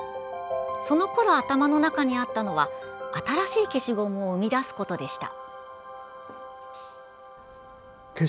そのころ、頭の中にあったのは新しい消しゴムを生み出すことでした。